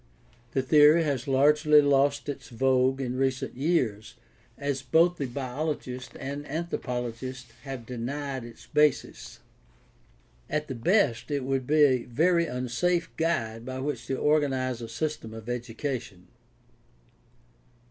The theory has largely lost its vogue in recent years, as both the biologist and anthropologist have denied its basis. At the best it would be a very unsafe guide by which to organize a system of education.